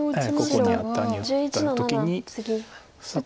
ここにアタリを打った時にさあ